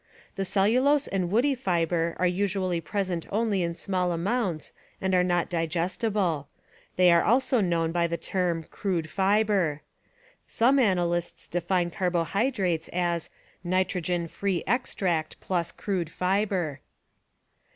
The cellulose and woody fiber are usually Carbo present only in small amounts and are not digestible; they hydrates are also known by the term "crude fiber." Some analy sists define carbohydrates as "nitrogen free extract plus crude fiber."